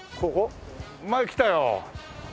前来たよ。